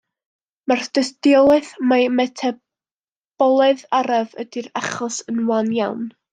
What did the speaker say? Mae'r dystiolaeth mai metaboledd araf ydy'r achos yn wan iawn.